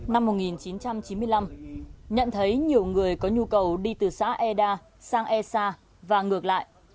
năm một nghìn chín trăm chín mươi năm nhận thấy nhiều người có nhu cầu đi từ xã eda sang e sa và ngược lại